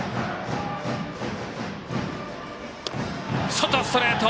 外、ストレート！